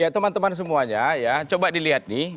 ya teman teman semuanya coba dilihat nih